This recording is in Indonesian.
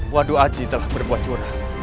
waduh aci telah berbuat curah